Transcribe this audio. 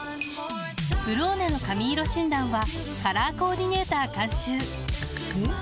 「ブローネ」の髪色診断はカラーコーディネーター監修おっ！